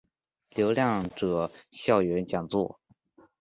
流浪者校园讲座